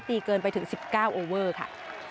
เกินไปถึง๑๙โอเวอร์ค่ะ